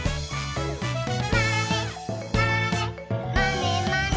「まねまねまねまね」